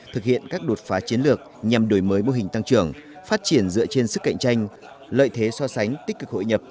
thực hiện các đột phá chiến lược nhằm đổi mới mô hình tăng trưởng phát triển dựa trên sức cạnh tranh lợi thế so sánh tích cực hội nhập